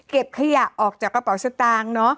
เก็บขยะออกจากกระเป๋าสตางค์